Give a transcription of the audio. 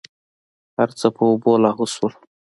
هرڅه په اوبو لاهو سول.